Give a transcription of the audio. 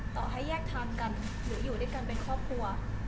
ต่อให้แยกทางกันหรืออยู่ด้วยกันเป็นครอบครัว